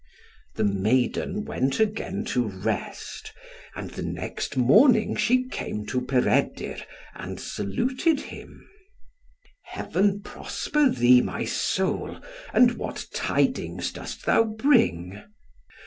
The maiden went again to rest; and the next morning she came to Peredur, and saluted him. "Heaven prosper thee, my soul, and what tidings dost thou bring?"